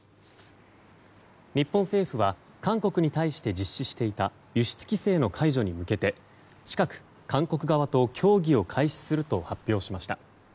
日本政府は韓国に対して実施していた輸出規制の解除に向けて近く、韓国側と協議を開始すると発表しました。